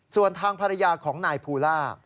ส่วนทางภรรยาของนายภูล่า